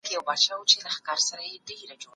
آیا کمپيوټر پوهنه د ماسومانو لپاره هم ګټوره ده؟